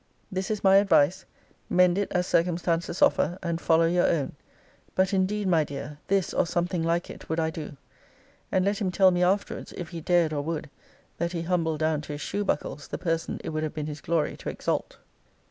This is my advice: mend it as circumstances offer, and follow your own. But indeed, my dear, this, or something like it, would I do. And let him tell me afterwards, if he dared or would, that he humbled down to his shoe buckles the person it would have been his glory to exalt.